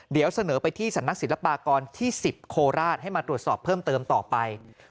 เดี๋ยวเสนอไปที่สำนักศิลปากรที่๑๐โคราชให้มาตรวจสอบเพิ่มเติมต่อไป